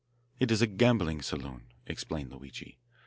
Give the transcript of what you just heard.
"It is a gambling saloon," explained Luigi.